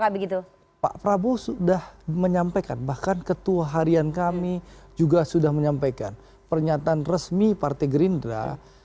kamu video justru namun renee juga sudah menyampaikan pernyataan resmi parti gerindra